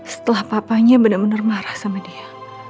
setelah papanya bener bener marah sama dia